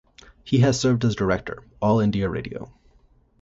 He has served as Director, All India Radio.